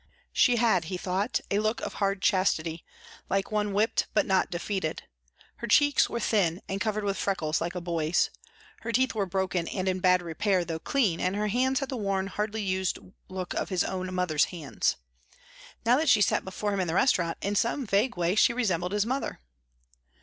She had, he thought, a look of hard chastity, like one whipped but not defeated. Her cheeks were thin and covered with freckles, like a boy's. Her teeth were broken and in bad repair, though clean, and her hands had the worn, hardly used look of his own mother's hands. Now that she sat before him in the restaurant, in some vague way she resembled his mother.